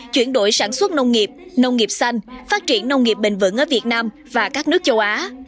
chuyển đổi sản xuất nông nghiệp nông nghiệp xanh phát triển nông nghiệp bền vững ở việt nam và các nước châu á